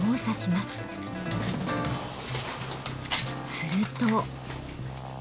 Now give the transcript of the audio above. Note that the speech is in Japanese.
すると。